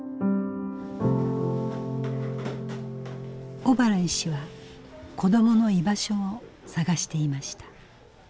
小原医師は子どもの居場所を探していました。